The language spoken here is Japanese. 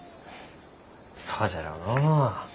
そうじゃろうのう。